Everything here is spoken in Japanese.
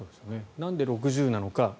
なんで６０なのか。